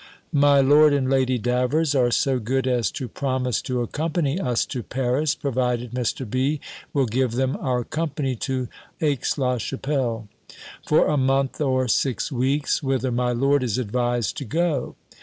My Lord and Lady Davers are so good as to promise to accompany us to Paris, provided Mr. B. will give them our company to Aix la Chapelle, for a month or six weeks, whither my lord is advised to go.